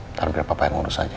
ntar biar papa yang urus aja